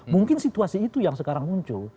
mungkin situasi itu yang sekarang muncul